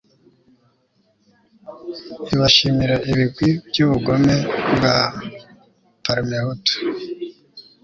ibashimira ibigwi by'ubugome bwa parmehutu